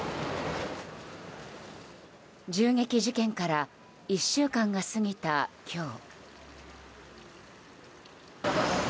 銃撃事件から１週間が過ぎた今日。